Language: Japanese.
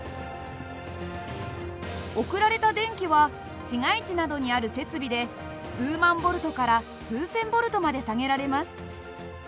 送られた電気は市街地などにある設備で数万Ｖから数千Ｖまで下げられます。